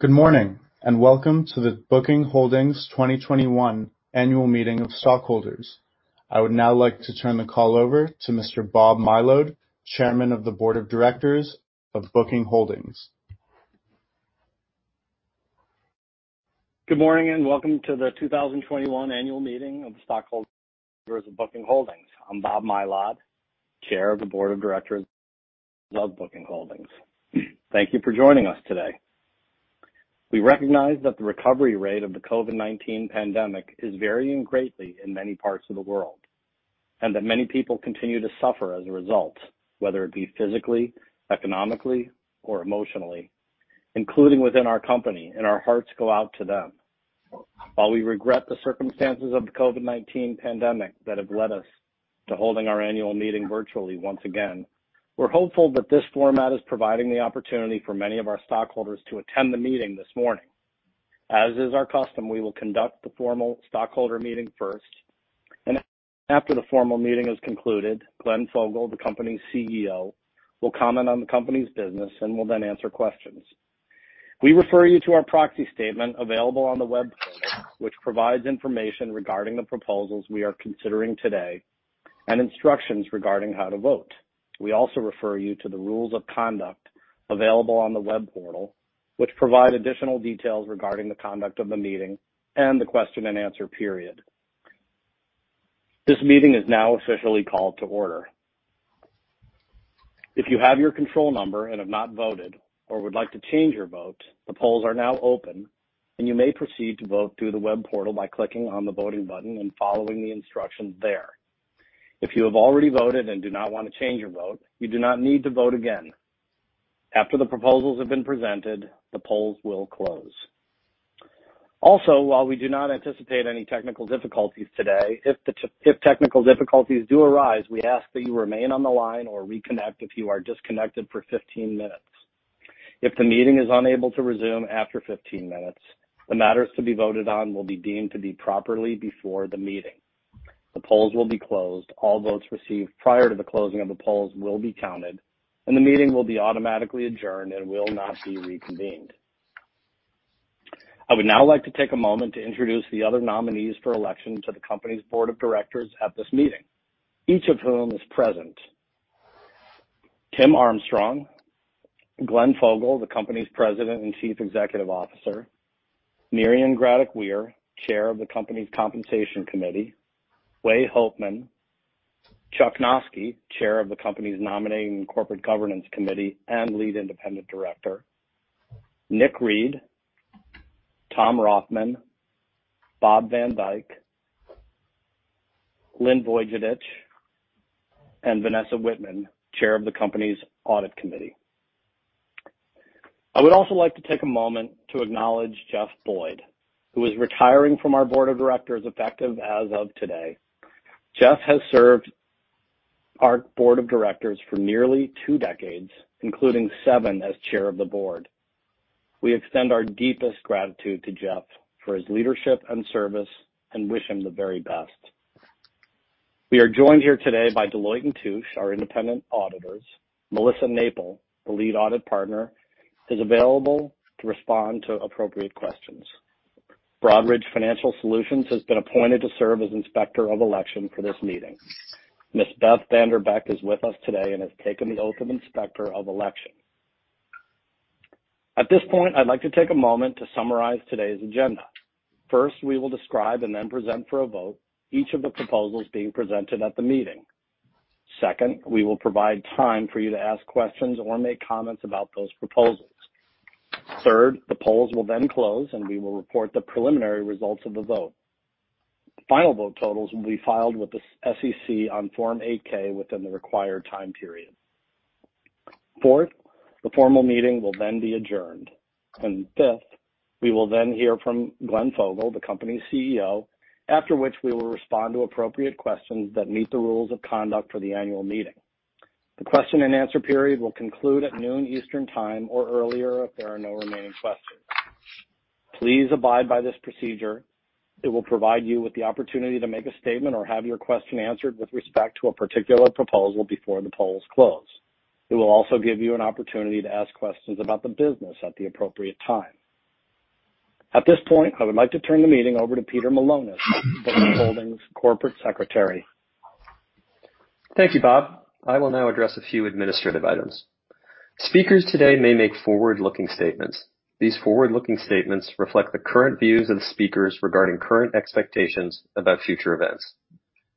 Good morning, and welcome to the Booking Holdings 2021 annual meeting of stockholders. I would now like to turn the call over to Mr. Bob Mylod, Chairman of the Board of Directors of Booking Holdings. Good morning, and welcome to the 2021 annual meeting of stockholders of Booking Holdings. I'm Bob Mylod, Chair of the Board of Directors of Booking Holdings. Thank you for joining us today. We recognize that the recovery rate of the COVID-19 pandemic is varying greatly in many parts of the world, and that many people continue to suffer as a result, whether it be physically, economically, or emotionally, including within our company, and our hearts go out to them. While we regret the circumstances of the COVID-19 pandemic that have led us to holding our annual meeting virtually once again, we're hopeful that this format is providing the opportunity for many of our stockholders to attend the meeting this morning. As is our custom, we will conduct the formal stockholder meeting first, and after the formal meeting is concluded, Glenn Fogel, the company's CEO, will comment on the company's business and will then answer questions. We refer you to our proxy statement available on the web portal, which provides information regarding the proposals we are considering today and instructions regarding how to vote. We also refer you to the rules of conduct available on the web portal, which provide additional details regarding the conduct of the meeting and the question and answer period. This meeting is now officially called to order. If you have your control number and have not voted or would like to change your vote, the polls are now open, and you may proceed to vote through the web portal by clicking on the voting button and following the instructions there. If you have already voted and do not want to change your vote, you do not need to vote again. After the proposals have been presented, the polls will close. Also, while we do not anticipate any technical difficulties today, if technical difficulties do arise, we ask that you remain on the line or reconnect if you are disconnected for 15 min. If the meeting is unable to resume after 15 min, the matters to be voted on will be deemed to be properly before the meeting. The polls will be closed. All votes received prior to the closing of the polls will be counted, and the meeting will be automatically adjourned and will not be reconvened. I would now like to take a moment to introduce the other nominees for election to the company's board of directors at this meeting, each of whom is present. Tim Armstrong, Glenn Fogel, the company's President and Chief Executive Officer, Mirian Graddick-Weir, Chair of the company's Compensation Committee, Wei Hopeman, Chuck Noski, Chair of the company's Nominating and Corporate Governance Committee and Lead Independent Director, Nicholas J. Read, Thomas Rothman, Robert van Dijk, Lynn Vojvodich Radakovich, and Vanessa A. Wittman, Chair of the company's Audit Committee. I would also like to take a moment to acknowledge Jeffery H. Boyd, who is retiring from our board of directors effective as of today. Jeff has served our board of directors for nearly two decades, including seven as Chair of the Board. We extend our deepest gratitude to Jeff for his leadership and service and wish him the very best. We are joined here today by Deloitte & Touche, our independent auditors. Melissa Naple, the lead audit partner, is available to respond to appropriate questions. Broadridge Financial Solutions has been appointed to serve as Inspector of Election for this meeting. Ms. Beth Vanderbeck is with us today and has taken the oath of Inspector of Election. At this point, I'd like to take a moment to summarize today's agenda. First, we will describe and then present for a vote each of the proposals being presented at the meeting. Second, we will provide time for you to ask questions or make comments about those proposals. Third, the polls will then close, and we will report the preliminary results of the vote. The final vote totals will be filed with the SEC on Form 8-K within the required time period. Fourth, the formal meeting will then be adjourned. Fifth, we will then hear from Glenn Fogel, the company's CEO, after which we will respond to appropriate questions that meet the rules of conduct for the annual meeting. The question and answer period will conclude at 12:00 P.M. Eastern Time or earlier if there are no remaining questions. Please abide by this procedure. It will provide you with the opportunity to make a statement or have your question answered with respect to a particular proposal before the polls close. It will also give you an opportunity to ask questions about the business at the appropriate time. At this point, I would like to turn the meeting over to Peter Millones, Booking Holdings Corporate Secretary. Thank you, Bob. I will now address a few administrative items. Speakers today may make forward-looking statements. These forward-looking statements reflect the current views of the speakers regarding current expectations about future events.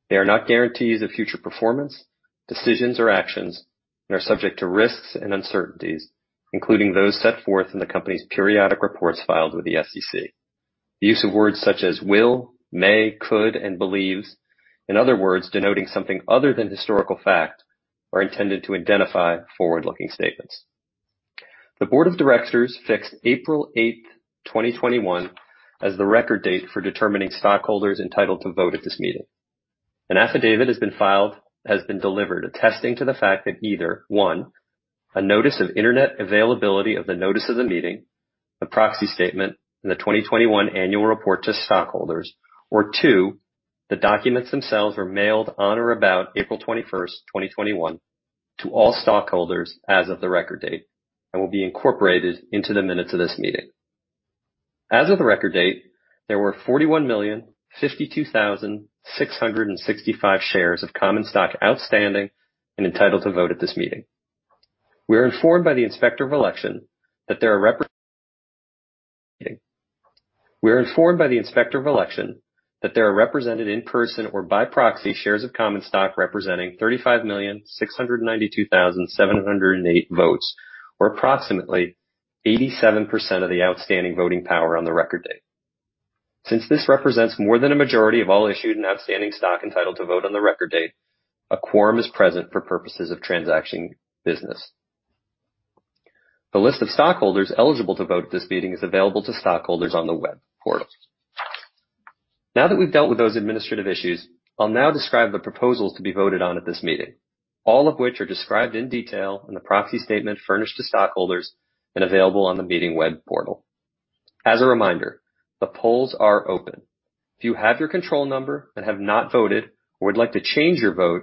They are not guarantees of future performance, decisions, or actions, and are subject to risks and uncertainties, including those set forth in the company's periodic reports filed with the SEC. The use of words such as will, may, could, and believes, and other words denoting something other than historical fact, are intended to identify forward-looking statements. The board of directors fixed April 8th, 2021, as the record date for determining stockholders entitled to vote at this meeting. An affidavit has been delivered attesting to the fact that either, one, a notice of Internet availability of the notice of the meeting. The proxy statement and the 2021 annual report to stockholders, or two, the documents themselves were mailed on or about April 21st, 2021, to all stockholders as of the record date and will be incorporated into the minutes of this meeting. As of the record date, there were 41,052,665 shares of common stock outstanding and entitled to vote at this meeting. We are informed by the Inspector of Election that there are represented in-person or by proxy shares of common stock representing 35,692,708 votes, or approximately 87% of the outstanding voting power on the record date. Since this represents more than a majority of all issued and outstanding stock entitled to vote on the record date, a quorum is present for purposes of transacting business. The list of stockholders eligible to vote at this meeting is available to stockholders on the web portal. Now that we've dealt with those administrative issues, I'll now describe the proposals to be voted on at this meeting, all of which are described in detail in the proxy statement furnished to stockholders and available on the meeting web portal. As a reminder, the polls are open. If you have your control number and have not voted or would like to change your vote,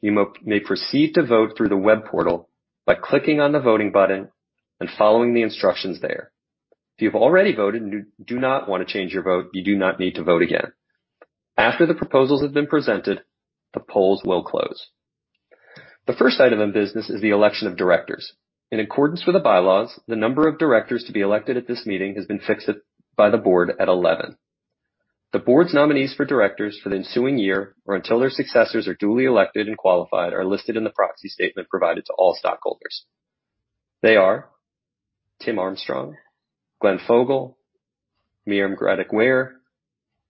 you may proceed to vote through the web portal by clicking on the voting button and following the instructions there. If you've already voted and do not want to change your vote, you do not need to vote again. After the proposals have been presented, the polls will close. The first item of business is the election of directors. In accordance with the bylaws, the number of directors to be elected at this meeting has been fixed by the board at 11. The board's nominees for directors for the ensuing year or until their successors are duly elected and qualified are listed in the proxy statement provided to all stockholders. They are Timothy Armstrong, Glenn Fogel, Mirian Graddick-Weir,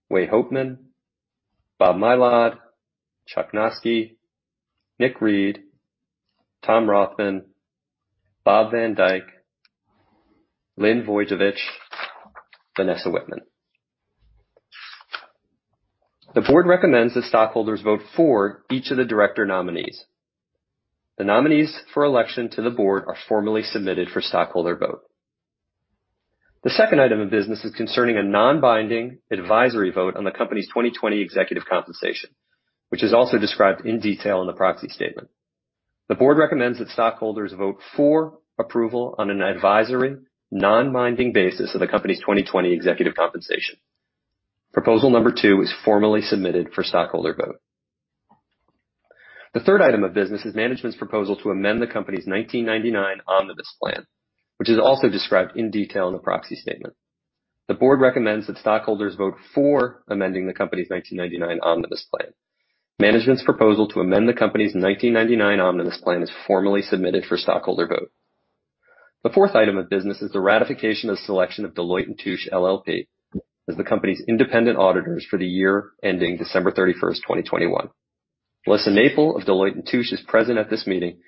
Wei Hopeman, Robert J. Mylod, Jr., Charles H. Noski, Nicholas J. Read, Thomas Rothman, Robert van Dijk, Lynn Vojvodich Radakovich, Vanessa A. Wittman. The board recommends that stockholders vote for each of the director nominees. The nominees for election to the board are formally submitted for stockholder vote. The second item of business is concerning a non-binding advisory vote on the company's 2020 executive compensation, which is also described in detail in the proxy statement. The board recommends that stockholders vote for approval on an advisory, non-binding basis of the company's 2020 executive compensation. Proposal number 2 is formally submitted for stockholder vote. The third item of business is management's proposal to amend the company's 1999 Omnibus Plan, which is also described in detail in the proxy statement. The board recommends that stockholders vote for amending the company's 1999 Omnibus Plan. Management's proposal to amend the company's 1999 Omnibus Plan is formally submitted for stockholder vote. The fourth item of business is the ratification of selection of Deloitte & Touche LLP as the company's independent auditors for the year ending December 31, 2021. Melissa Naple of Deloitte & Touche is present at this meeting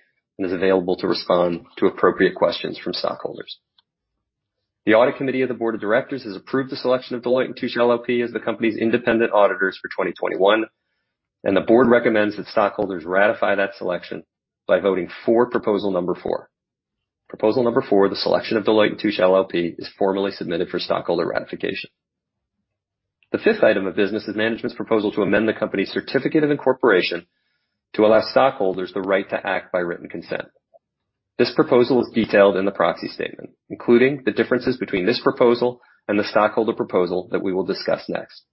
and is available to respond to appropriate questions from stockholders. The audit committee of the board of directors has approved the selection of Deloitte & Touche LLP as the company's independent auditors for 2021, and the board recommends that stockholders ratify that selection by voting for proposal number 4. Proposal number four, the selection of Deloitte & Touche LLP, is formally submitted for stockholder ratification. The fifth item of business is management's proposal to amend the company's certificate of incorporation to allow stockholders the right to act by written consent. This proposal is detailed in the proxy statement, including the differences between this proposal and the stockholder proposal that we will discuss next.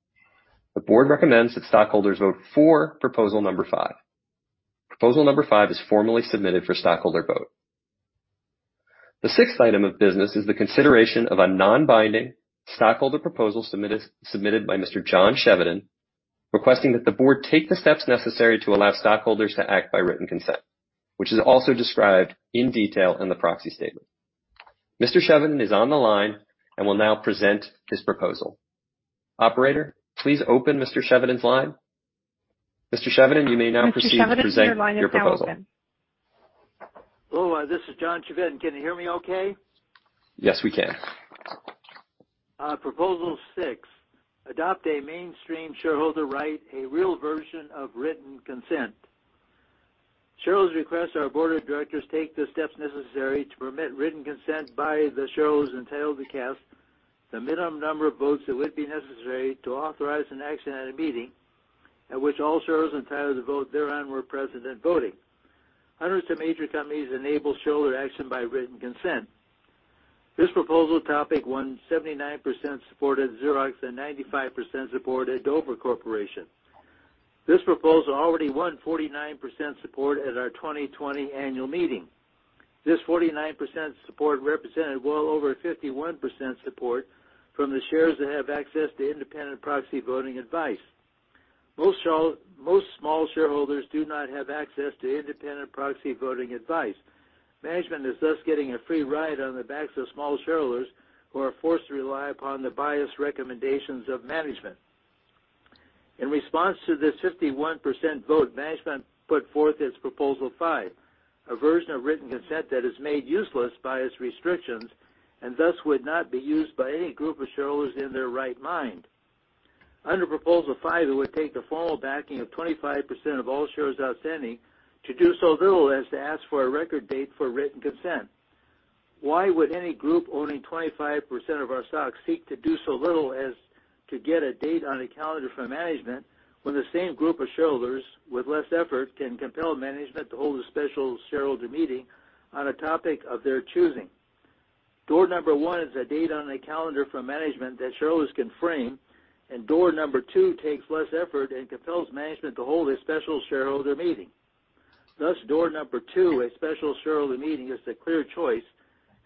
The board recommends that stockholders vote for proposal number five. Proposal number five is formally submitted for stockholder vote. The sixth item of business is the consideration of a non-binding stockholder proposal submitted by Mr. John Chevedden, requesting that the board take the steps necessary to allow stockholders to act by written consent, which is also described in detail in the proxy statement. Mr. Chevedden is on the line and will now present his proposal. Operator, please open Mr. Chevedden's line. Mr. Chevedden, you may now proceed to present your proposal. Hello, this is John Chevedden. Can you hear me okay? Yes, we can. Proposal six, adopt a mainstream shareholder right, a real version of written consent. Shareholders request our board of directors take the steps necessary to permit written consent by the shareholders entitled to cast the minimum number of votes that would be necessary to authorize an action at a meeting at which all shareholders entitled to vote thereon were present and voting. Hundreds of major companies enable shareholder action by written consent. This proposal topic won 79% support at Xerox and 95% support at Dover Corporation. This proposal already won 49% support at our 2020 annual meeting. This 49% support represented well over 51% support from the shareholders that have access to independent proxy voting advice. Most small shareholders do not have access to independent proxy voting advice. Management is thus getting a free ride on the backs of small shareholders who are forced to rely upon the biased recommendations of management. In response to this 51% vote, management put forth its Proposal 5, a version of written consent that is made useless by its restrictions and thus would not be used by any group of shareholders in their right mind. Under Proposal 5, it would take the full backing of 25% of all shares outstanding to do so little as to ask for a record date for written consent. Why would any group owning 25% of our stock seek to do so little as to get a date on the calendar for management when the same group of shareholders, with less effort, can compel management to hold a special shareholder meeting on a topic of their choosing? Door number one is a date on the calendar for management that shareholders can frame. Door number two takes less effort and compels management to hold a special shareholder meeting. Door number two, a special shareholder meeting, is the clear choice.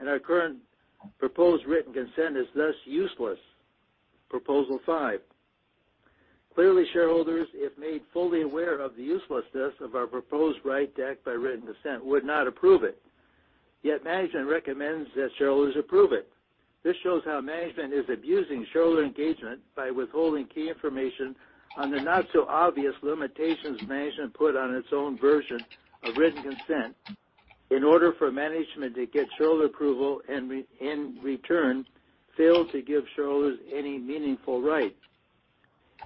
Our current proposed written consent is thus useless, Proposal five. Clearly, shareholders, if made fully aware of the uselessness of our proposed right to act by written consent, would not approve it. Yet management recommends that shareholders approve it. This shows how management is abusing shareholder engagement by withholding key information on the not-so-obvious limitations management put on its own version of written consent in order for management to get shareholder approval and in return fail to give shareholders any meaningful right.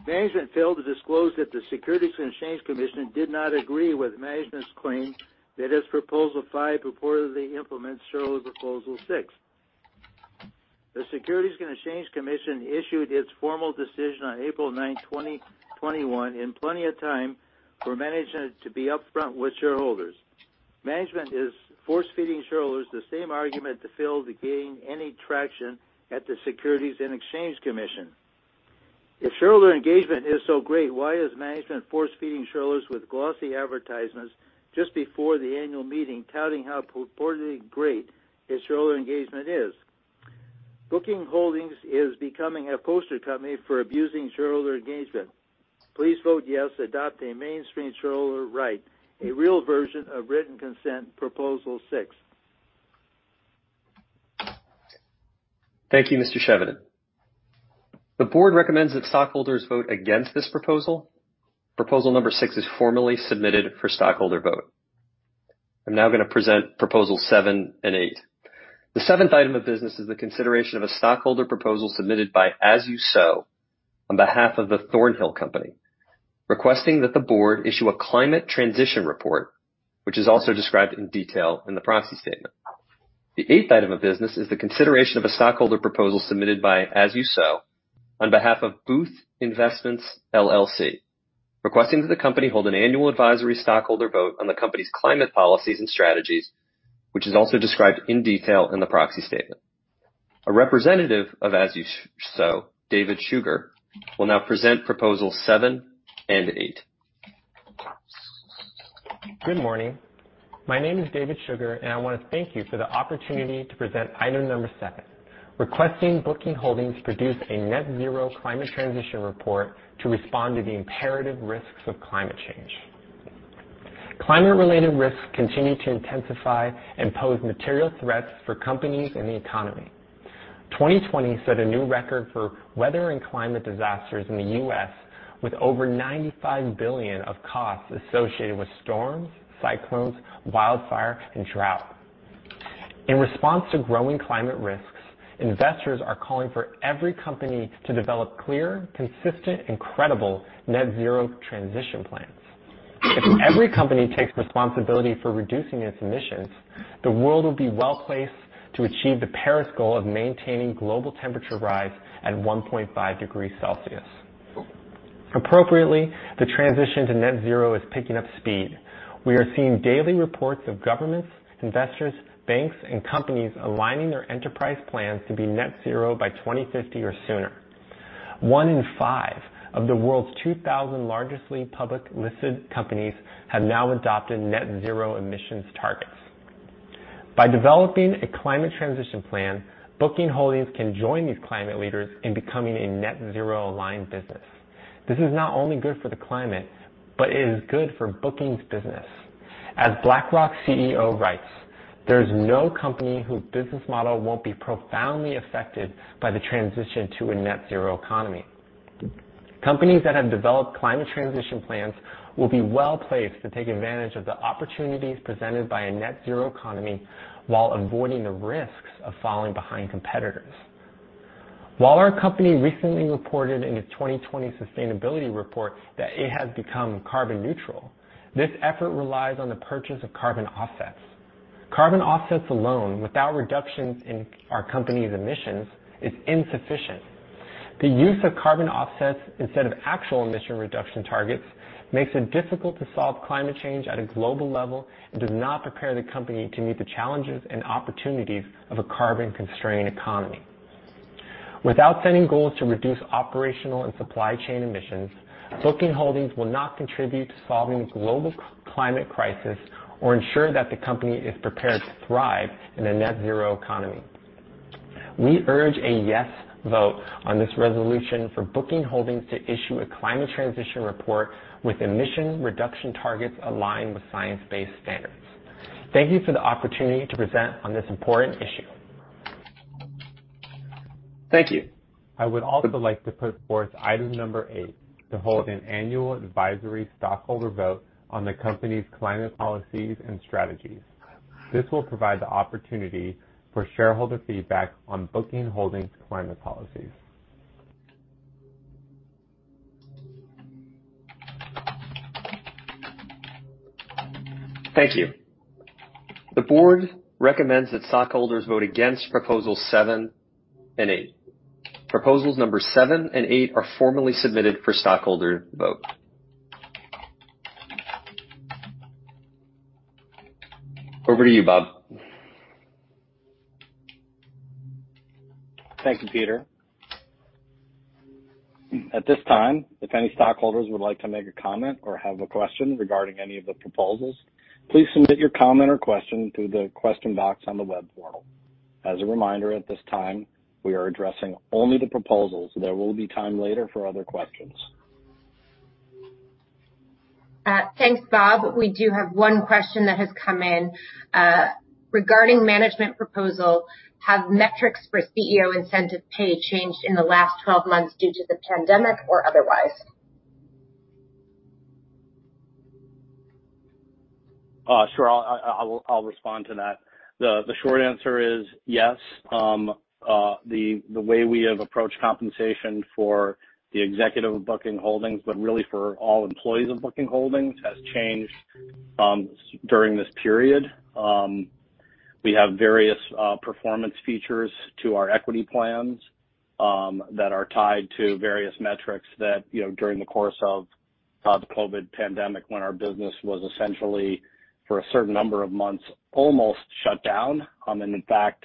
Management failed to disclose that the Securities and Exchange Commission did not agree with management's claim that its Proposal 5 purportedly implements shareholders' Proposal 6. The Securities and Exchange Commission issued its formal decision on April 9, 2021, in plenty of time for management to be upfront with shareholders. Management is force-feeding shareholders the same argument that failed to gain any traction at the Securities and Exchange Commission. If shareholder engagement is so great, why is management force-feeding shareholders with glossy advertisements just before the annual meeting touting how purportedly great its shareholder engagement is? Booking Holdings is becoming a poster company for abusing shareholder engagement. Please vote yes to adopt a mainstream shareholder right, a real version of written consent, Proposal 6. Thank you, Mr. Chevedden. The board recommends that stockholders vote against this proposal. Proposal number six is formally submitted for stockholder vote. I'm now going to present Proposals seven and eight. The seventh item of business is the consideration of a stockholder proposal submitted by As You Sow on behalf of the Thornhill Company, requesting that the board issue a climate transition report, which is also described in detail in the proxy statement. The eighth item of business is the consideration of a stockholder proposal submitted by As You Sow on behalf of Booth Investments LLC, requesting that the company hold an annual advisory stockholder vote on the company's climate policies and strategies, which is also described in detail in the proxy statement. A representative of As You Sow, David Shugar, will now present Proposals seven and eight. Good morning. My name is David Shugar. I want to thank you for the opportunity to present Item number 7, requesting Booking Holdings produce a net zero climate transition report to respond to the imperative risks of climate change. Climate-related risks continue to intensify and pose material threats for companies and the economy. 2020 set a new record for weather and climate disasters in the U.S., with over $95 billion of costs associated with storms, cyclones, wildfires, and drought. In response to growing climate risks, investors are calling for every company to develop clear, consistent, and credible net zero transition plans. If every company takes responsibility for reducing its emissions, the world will be well-placed to achieve the Paris goal of maintaining global temperature rise at 1.5 degrees Celsius. Appropriately, the transition to net zero is picking up speed. We are seeing daily reports of governments, investors, banks, and companies aligning their enterprise plans to be net zero by 2050 or sooner. One in five of the world's 2,000 largest publicly listed companies have now adopted net zero emissions targets. By developing a climate transition plan, Booking Holdings can join these climate leaders in becoming a net zero aligned business. This is not only good for the climate, but it is good for Booking's business. As BlackRock's CEO writes, "There's no company whose business model won't be profoundly affected by the transition to a net zero economy." Companies that have developed climate transition plans will be well-placed to take advantage of the opportunities presented by a net zero economy while avoiding the risks of falling behind competitors. While our company recently reported in its 2020 sustainability report that it has become carbon neutral, this effort relies on the purchase of carbon offsets. Carbon offsets alone, without reductions in our company's emissions, is insufficient. The use of carbon offsets instead of actual emission reduction targets makes it difficult to solve climate change at a global level and does not prepare the company to meet the challenges and opportunities of a carbon-constrained economy. Without setting goals to reduce operational and supply chain emissions, Booking Holdings will not contribute to solving the global climate crisis or ensure that the company is prepared to thrive in a net zero economy. We urge a yes vote on this resolution for Booking Holdings to issue a climate transition report with emission reduction targets aligned with science-based standards. Thank you for the opportunity to present on this important issue. Thank you. I would also like to put forth Item number 8 to hold an annual advisory stockholder vote on the company's climate policies and strategies. This will provide the opportunity for shareholder feedback on Booking Holdings' climate policies. Thank you. The board recommends that stockholders vote against proposals seven and eight. Proposals number 7 and 8 are formally submitted for stockholder vote. Over to you, Bob. Thank you, Peter. At this time, if any stockholders would like to make a comment or have a question regarding any of the proposals, please submit your comment or question through the question box on the web portal. As a reminder, at this time, we are addressing only the proposals. There will be time later for other questions. Thanks, Bob. We do have one question that has come in. Regarding management proposal, have metrics for CEO incentive pay changed in the last 12 months due to the pandemic or otherwise? Sure. I'll respond to that. The short answer is yes. The way we have approached compensation for the executive of Booking Holdings, but really for all employees of Booking Holdings, has changed during this period. We have various performance features to our equity plans that are tied to various metrics that during the course of the COVID pandemic, when our business was essentially, for a certain number of months, almost shut down. In fact,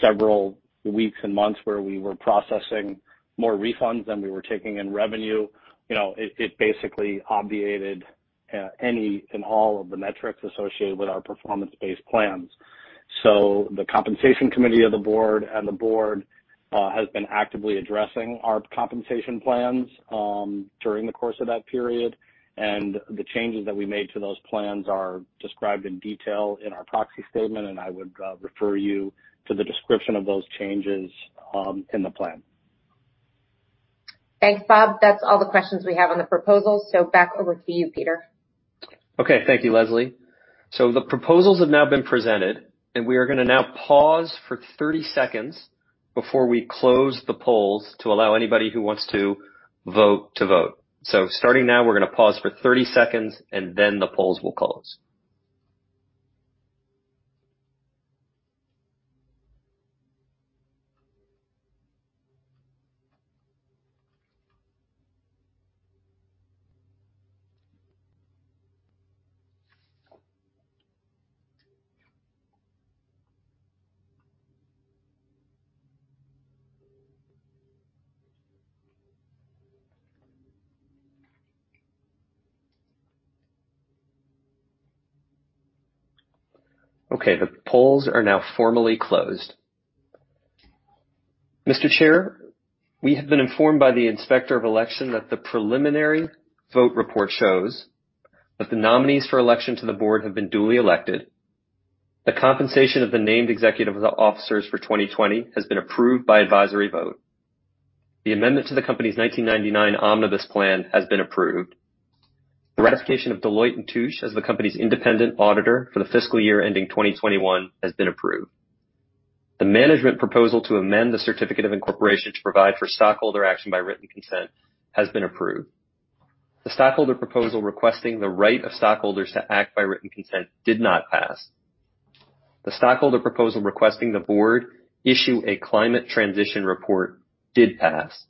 several weeks and months where we were processing more refunds than we were taking in revenue. It basically obviated any and all of the metrics associated with our performance-based plans. The compensation committee of the board and the board has been actively addressing our compensation plans during the course of that period. The changes that we made to those plans are described in detail in our proxy statement, and I would refer you to the description of those changes in the plan. Thanks, Bob. That's all the questions we have on the proposals. Back over to you, Peter. Thank you, Leslie. The proposals have now been presented, and we are going to now pause for 30 sec. Before we close the polls to allow anybody who wants to vote to vote. Starting now, we're going to pause for 30 sec, and then the polls will close. Okay, the polls are now formally closed. Mr. Chair, we have been informed by the Inspector of Election that the preliminary vote report shows that the nominees for election to the board have been duly elected. The compensation of the named executive of the officers for 2020 has been approved by advisory vote. The amendment to the company's 1999 Omnibus Plan has been approved. The ratification of Deloitte & Touche as the company's independent auditor for the fiscal year ending 2021 has been approved. The management proposal to amend the certificate of incorporation to provide for stockholder action by written consent has been approved. The stockholder proposal requesting the right of stockholders to act by written consent did not pass. The stockholder proposal requesting the board issue a climate transition report did pass,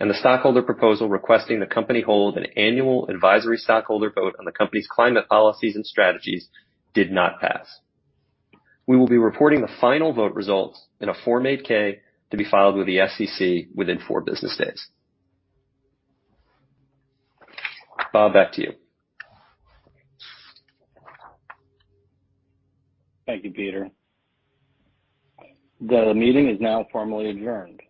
and the stockholder proposal requesting the company hold an annual advisory stockholder vote on the company's climate policies and strategies did not pass. We will be reporting the final vote results in a Form 8-K to be filed with the SEC within four business days. Bob, back to you. Thank you, Peter. The meeting is now formally adjourned.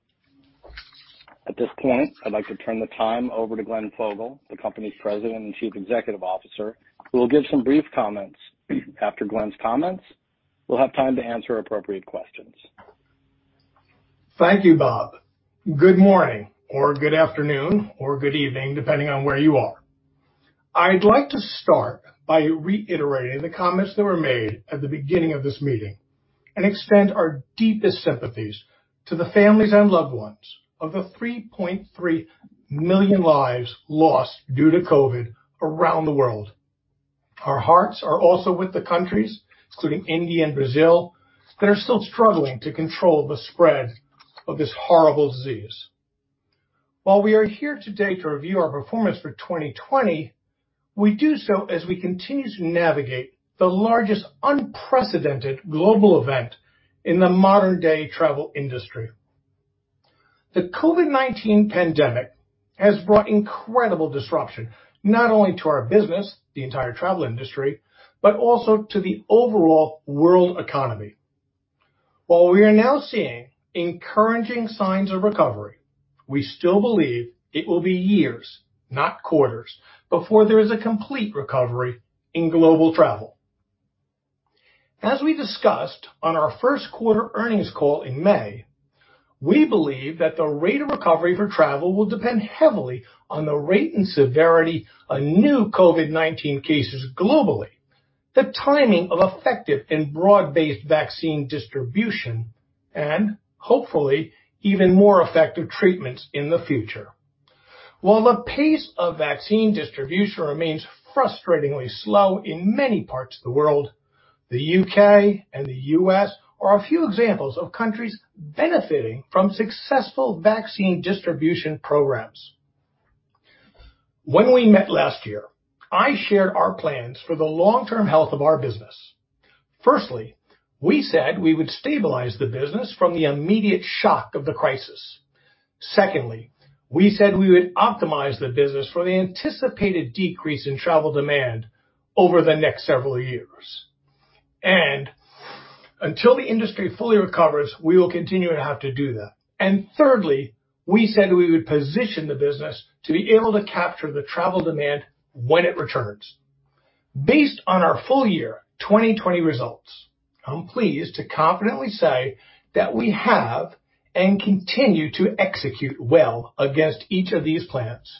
At this point, I'd like to turn the time over to Glenn Fogel, the company's President and Chief Executive Officer, who will give some brief comments. After Glenn's comments, we'll have time to answer appropriate questions. Thank you, Bob. Good morning or good afternoon or good evening, depending on where you are. I'd like to start by reiterating the comments that were made at the beginning of this meeting and extend our deepest sympathies to the families and loved ones of the 3.3 million lives lost due to COVID-19 around the world. Our hearts are also with the countries, including India and Brazil, that are still struggling to control the spread of this horrible disease. While we are here today to review our performance for 2020, we do so as we continue to navigate the largest unprecedented global event in the modern-day travel industry. The COVID-19 pandemic has brought incredible disruption, not only to our business, the entire travel industry, but also to the overall world economy. While we are now seeing encouraging signs of recovery, we still believe it will be years, not quarters, before there is a complete recovery in global travel. As we discussed on our first quarter earnings call in May. We believe that the rate of recovery for travel will depend heavily on the rate and severity of new COVID-19 cases globally, the timing of effective and broad-based vaccine distribution, and hopefully even more effective treatments in the future. While the pace of vaccine distribution remains frustratingly slow in many parts of the world, the U.K. and the U.S. are a few examples of countries benefiting from successful vaccine distribution programs. When we met last year, I shared our plans for the long-term health of our business. Firstly, we said we would stabilize the business from the immediate shock of the crisis. We said we would optimize the business for the anticipated decrease in travel demand over the next several years. Until the industry fully recovers, we will continue to have to do that. Thirdly, we said we would position the business to be able to capture the travel demand when it returns. Based on our full year 2020 results, I'm pleased to confidently say that we have and continue to execute well against each of these plans.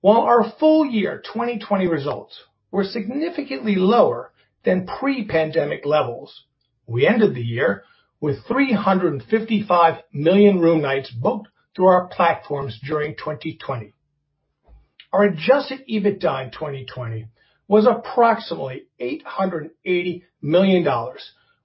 While our full year 2020 results were significantly lower than pre-pandemic levels, we ended the year with 355 million room nights booked through our platforms during 2020. Our adjusted EBITDA in 2020 was approximately $880 million,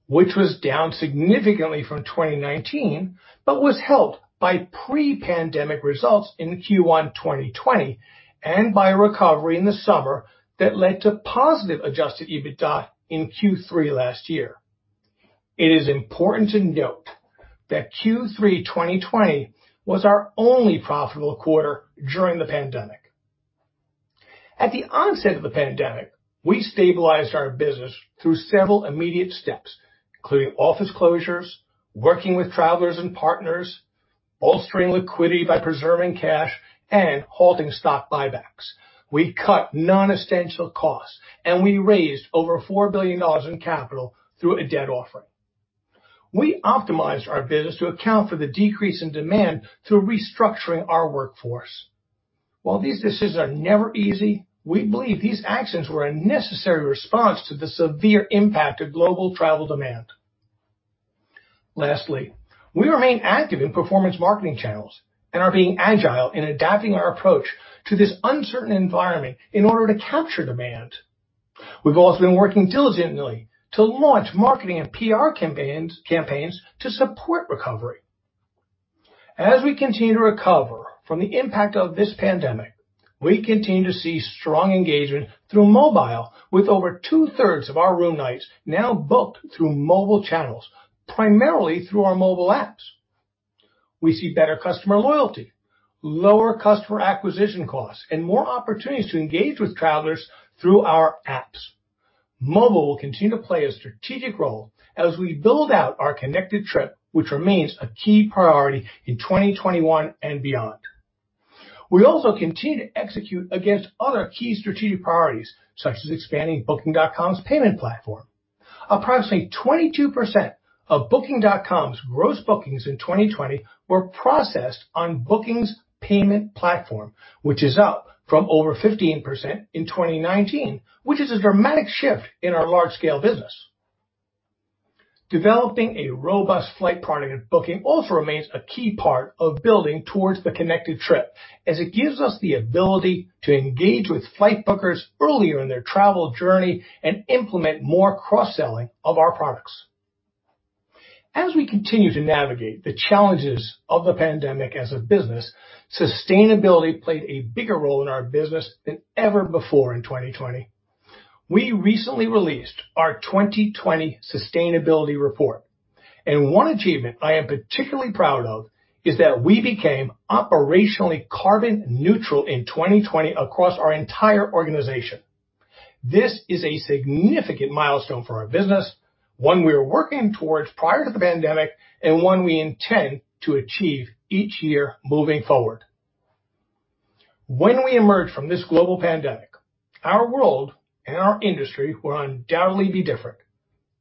which was down significantly from 2019, but was helped by pre-pandemic results in Q1 2020 and by recovery in the summer that led to positive adjusted EBITDA in Q3 last year. It is important to note that Q3 2020 was our only profitable quarter during the pandemic. At the onset of the pandemic, we stabilized our business through several immediate steps, including office closures, working with travelers and partners, bolstering liquidity by preserving cash, and halting stock buybacks. We cut non-essential costs. We raised over $4 billion in capital through a debt offering. We optimized our business to account for the decrease in demand through restructuring our workforce. While these decisions are never easy, we believe these actions were a necessary response to the severe impact of global travel demand. Lastly, we remain active in performance marketing channels and are being agile in adapting our approach to this uncertain environment in order to capture demand. We've also been working diligently to launch marketing and PR campaigns to support recovery. As we continue to recover from the impact of this pandemic, we continue to see strong engagement through mobile, with over two-thirds of our room nights now booked through mobile channels, primarily through our mobile apps. We see better customer loyalty, lower customer acquisition costs, and more opportunities to engage with travelers through our apps. Mobile will continue to play a strategic role as we build out our Connected Trip, which remains a key priority in 2021 and beyond. We also continue to execute against other key strategic priorities, such as expanding Booking.com's payment platform. Approximately 22% of Booking.com's gross bookings in 2020 were processed on Booking.com's payment platform, which is up from over 15% in 2019, which is a dramatic shift in our large-scale business. Developing a robust flight product at Booking also remains a key part of building towards the Connected Trip, as it gives us the ability to engage with flight bookers earlier in their travel journey and implement more cross-selling of our products. We continue to navigate the challenges of the pandemic as a business, sustainability played a bigger role in our business than ever before in 2020. We recently released our 2020 sustainability report, and one achievement I am particularly proud of is that we became operationally carbon neutral in 2020 across our entire organization. This is a significant milestone for our business, one we were working towards prior to the pandemic, and one we intend to achieve each year moving forward. When we emerge from this global pandemic, our world and our industry will undoubtedly be different,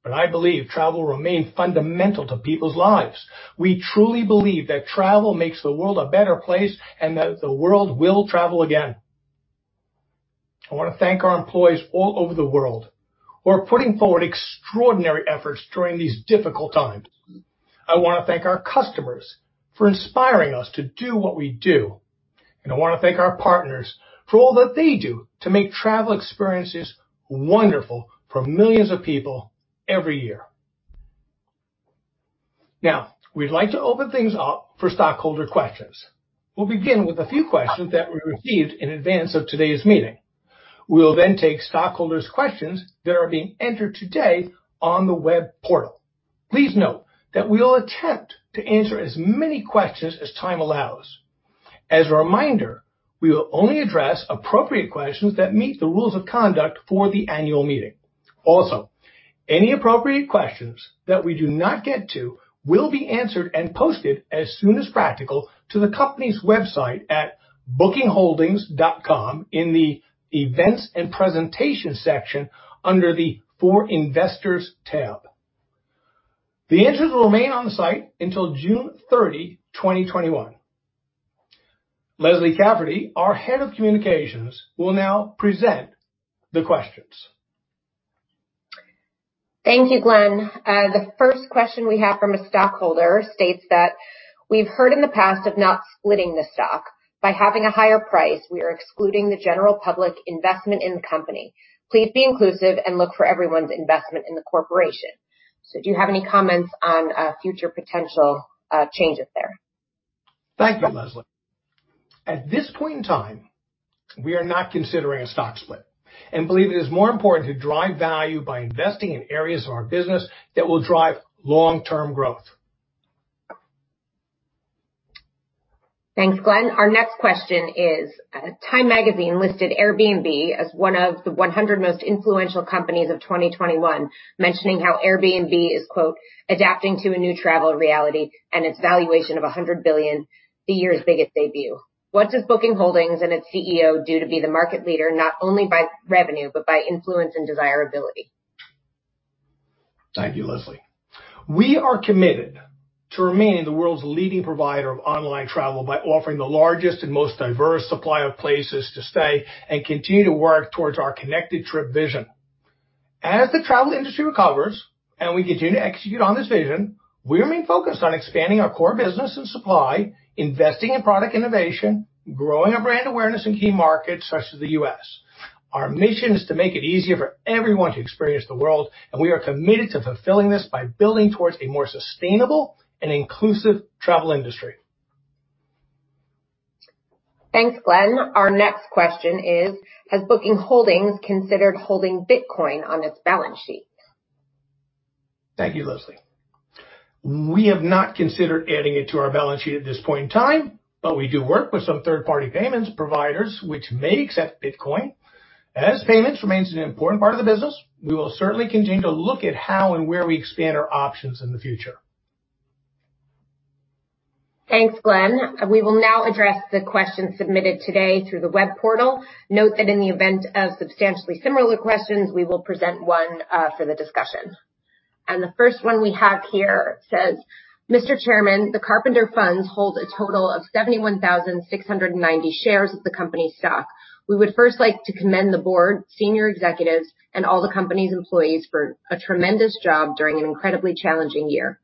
but I believe travel will remain fundamental to people's lives. We truly believe that travel makes the world a better place and that the world will travel again. I want to thank our employees all over the world who are putting forward extraordinary efforts during these difficult times. I want to thank our customers for inspiring us to do what we do, and I want to thank our partners for all that they do to make travel experiences wonderful for millions of people every year. Now, we'd like to open things up for stockholder questions. We'll begin with a few questions that we received in advance of today's meeting. We will then take stockholders' questions that are being entered today on the web portal. Please note that we will attempt to answer as many questions as time allows. As a reminder, we will only address appropriate questions that meet the rules of conduct for the annual meeting. Also, any appropriate questions that we do not get to will be answered and posted as soon as practical to the company's website at bookingholdings.com in the Events and Presentation section under the For Investors tab. The answers will remain on site until June 30, 2021. Leslie Cafferty, our Head of Communications, will now present the questions. Thank you, Glenn. The first question we have from a stockholder states that, "We've heard in the past of not splitting the stock. By having a higher price, we are excluding the general public investment in the company. Please be inclusive and look for everyone's investment in the corporation." Do you have any comments on future potential changes there? Thank you, Leslie. At this point in time, we are not considering a stock split and believe it is more important to drive value by investing in areas of our business that will drive long-term growth. Thanks, Glenn. Our next question is, "Time Magazine listed Airbnb as one of the 100 most influential companies of 2021, mentioning how Airbnb is, quote, 'adapting to a new travel reality' and its valuation of $100 billion the year's biggest debut. What should Booking Holdings and its CEO do to be the market leader, not only by revenue, but by influence and desirability? Thank you, Leslie. We are committed to remaining the world's leading provider of online travel by offering the largest and most diverse supply of places to stay and continue to work towards our Connected Trip vision. As the travel industry recovers and we continue to execute on this vision, we remain focused on expanding our core business and supply, investing in product innovation, growing our brand awareness in key markets such as the U.S. Our mission is to make it easier for everyone to experience the world, and we are committed to fulfilling this by building towards a more sustainable and inclusive travel industry. Thanks, Glenn. Our next question is, "Has Booking Holdings considered holding Bitcoin on its balance sheet? Thank you, Leslie. We have not considered adding it to our balance sheet at this point in time, but we do work with some third-party payments providers which may accept Bitcoin. As payments remains an important part of the business, we will certainly continue to look at how and where we expand our options in the future. Thanks, Glenn. We will now address the questions submitted today through the web portal. Note that in the event of substantially similar questions, we will present one for the discussion. The first one we have here says, "Mr. Chairman, the Carpenter Funds hold a total of 71,690 shares of the company stock. We would first like to commend the board, senior executives, and all the company's employees for a tremendous job during an incredibly challenging year.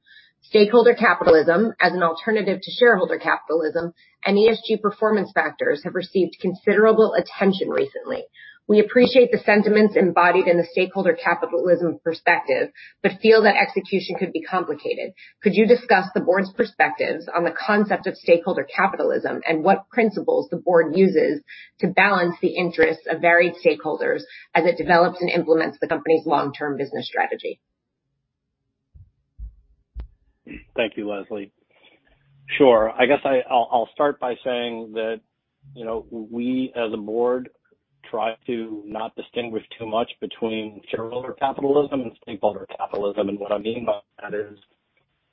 Stakeholder capitalism as an alternative to shareholder capitalism and ESG performance factors have received considerable attention recently. We appreciate the sentiments embodied in the stakeholder capitalism perspective, but feel that execution could be complicated. Could you discuss the board's perspectives on the concept of stakeholder capitalism and what principles the board uses to balance the interests of varied stakeholders as it develops and implements the company's long-term business strategy? Thank you, Leslie. Sure. I guess I'll start by saying that we as a board try to not distinguish too much between shareholder capitalism and stakeholder capitalism. What I mean by that is,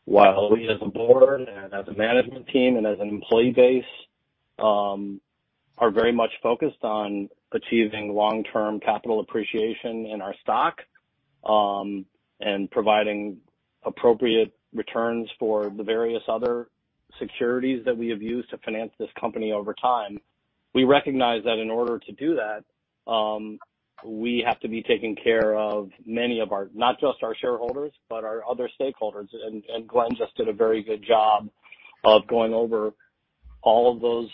while we as a board and as a management team and as an employee base are very much focused on achieving long-term capital appreciation in our stock, and providing appropriate returns for the various other securities that we have used to finance this company over time. We recognize that in order to do that, we have to be taking care of not just our shareholders, but our other stakeholders. Glenn just did a very good job of going over all of those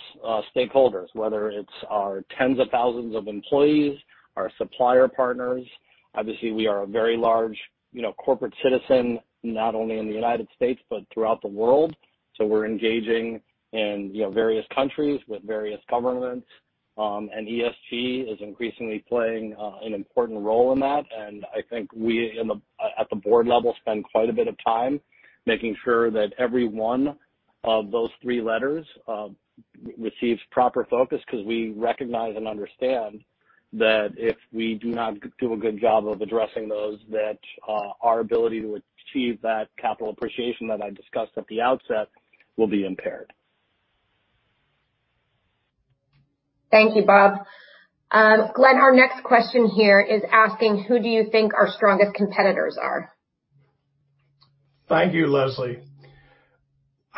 stakeholders, whether it's our tens of thousands of employees, our supplier partners. Obviously, we are a very large corporate citizen, not only in the U.S., but throughout the world, so we're engaging in various countries with various governments. ESG is increasingly playing an important role in that, and I think we at the board level spend quite a bit of time making sure that every one of those three letters receives proper focus because we recognize and understand that if we do not do a good job of addressing those, that our ability to achieve that capital appreciation that I discussed at the outset will be impaired. Thank you, Bob. Glenn, our next question here is asking, "Who do you think our strongest competitors are? Thank you, Leslie.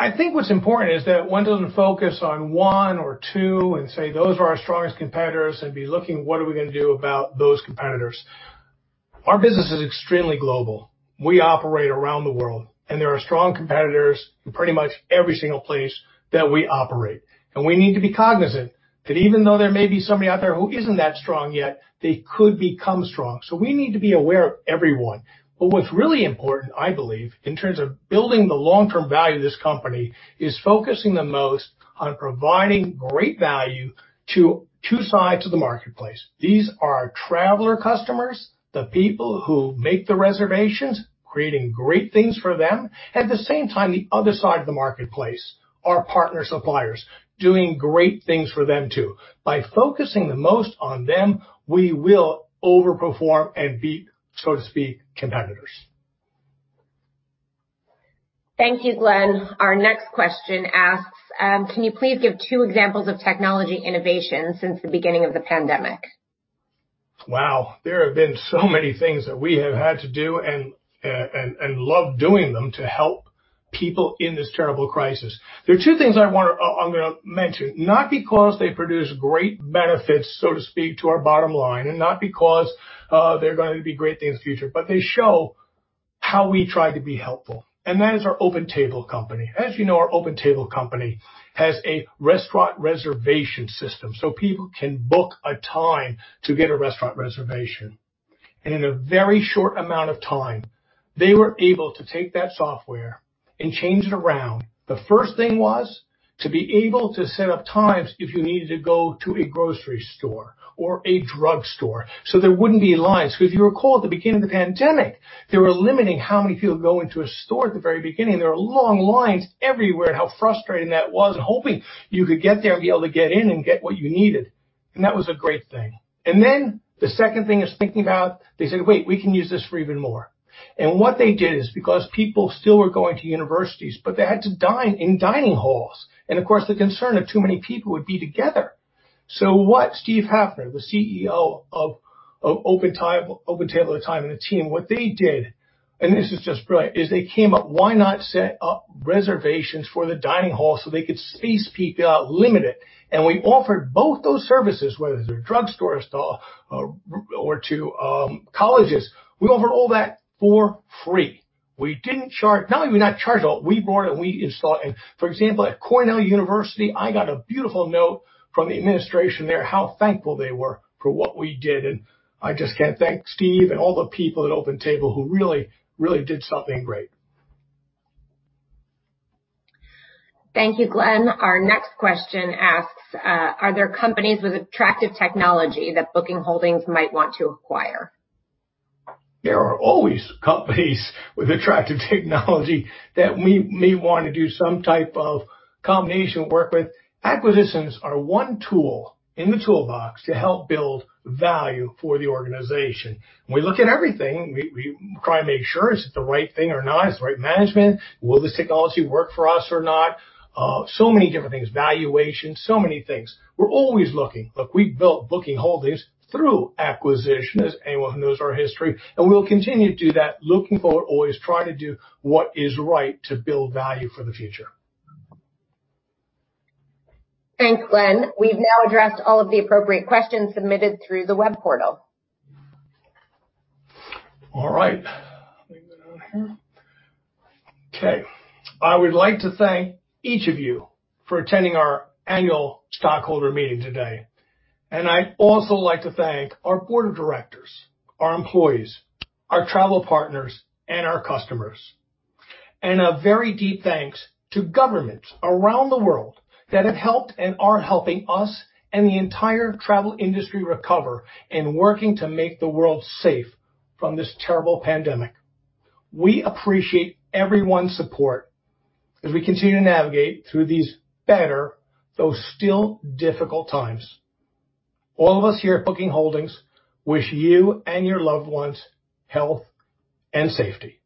I think what's important is that one doesn't focus on one or two and say, "Those are our strongest competitors," and be looking at what are we going to do about those competitors. Our business is extremely global. We operate around the world, and there are strong competitors in pretty much every single place that we operate. We need to be cognizant that even though there may be somebody out there who isn't that strong yet, they could become strong. We need to be aware of everyone. What's really important, I believe, in terms of building the long-term value of this company, is focusing the most on providing great value to two sides of the marketplace. These are our traveler customers, the people who make the reservations, creating great things for them. At the same time, the other side of the marketplace, our partner suppliers, doing great things for them, too. By focusing the most on them, we will over-perform and beat, so to speak, competitors. Thank you, Glenn. Our next question asks, "Can you please give two examples of technology innovation since the beginning of the pandemic? Wow, there have been so many things that we have had to do, and loved doing them to help people in this terrible crisis. There are two things I'm going to mention, not because they produce great benefits, so to speak, to our bottom line, and not because they're going to be great things in future, but they show how we try to be helpful, and that is our OpenTable company. As you know, our OpenTable company has a restaurant reservation system, so people can book a time to get a restaurant reservation. In a very short amount of time, they were able to take that software and change it around. The first thing was to be able to set up times if you needed to go to a grocery store or a drug store, so there wouldn't be lines. If you recall, at the beginning of the pandemic, they were limiting how many people go into a store at the very beginning. There were long lines everywhere. How frustrating that was, hoping you could get there and be able to get in and get what you needed. That was a great thing. The second thing is thinking about, they said, "Wait, we can use this for even more." What they did is, because people still were going to universities, but they had to dine in dining halls, and of course, the concern that too many people would be together. What Steve Hafner, the CEO of OpenTable at the time, and the team, what they did, and this is just brilliant, is they came up, why not set up reservations for the dining hall so they could space people out, limit it. We offered both those services, whether it was a drugstore or to colleges. We offered all that for free. We didn't charge. Not only did we not charge at all, we bought it, we installed it. For example, at Cornell University, I got a beautiful note from the administration there, how thankful they were for what we did, and I just can't thank Steve and all the people at OpenTable who really, really did something great. Thank you, Glenn. Our next question asks, are there companies with attractive technology that Booking Holdings might want to acquire? There are always companies with attractive technology that we may want to do some type of combination work with. Acquisitions are one tool in the toolbox to help build value for the organization. When we look at everything, we try to make sure, is it the right thing or not? Is it the right management? Will this technology work for us or not? So many different things. Valuation, so many things. We're always looking. Look, we built Booking Holdings through acquisition, as anyone who knows our history, and we'll continue to do that looking forward, always try to do what is right to build value for the future. Thanks, Glenn. We've now addressed all of the appropriate questions submitted through the web portal. All right. Let me get out of here. Okay. I would like to thank each of you for attending our annual stockholder meeting today. I'd also like to thank our board of directors, our employees, our travel partners, and our customers. A very deep thanks to governments around the world that have helped and are helping us and the entire travel industry recover and working to make the world safe from this terrible pandemic. We appreciate everyone's support as we continue to navigate through these better, though still difficult times. All of us here at Booking Holdings wish you and your loved ones health and safety.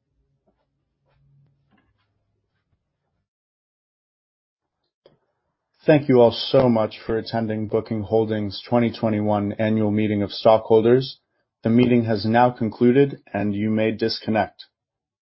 Thank you all so much for attending Booking Holdings' 2021 annual meeting of stockholders. The meeting has now concluded, and you may disconnect.